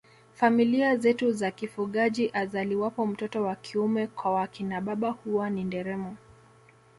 Familia zetu za kifugaji azaliwapo mtoto wa kiume kwa wakina baba huwa ni nderemo